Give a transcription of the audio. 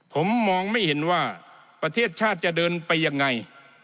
ผมมองไม่เห็นว่าประเทศชาติจะเดินไปยังไง